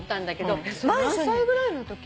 それ何歳ぐらいのとき？